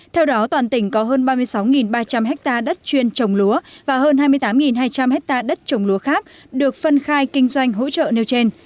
theo đó toàn tỉnh có hơn ba mươi sáu ba trăm linh ha đất chuyên trồng lúa và hơn hai mươi tám hai trăm linh hectare đất trồng lúa khác được phân khai kinh doanh hỗ trợ nêu trên